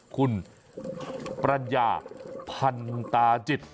คุณปัญญาพันตาจิต